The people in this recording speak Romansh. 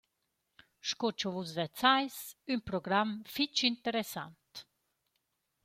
Sco cha Vus vezzais, ün program fich interessant.